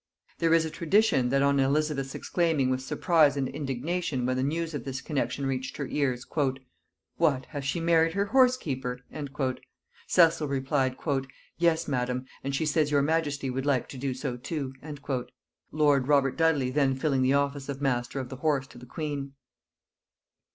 There is a tradition, that on Elizabeth's exclaiming with surprise and indignation when the news of this connexion reached her ears, "What, hath she married her horse keeper?" Cecil replied, "Yes, madam, and she says your majesty would like to do so too;" lord Robert Dudley then filling the office of master of the horse to the queen.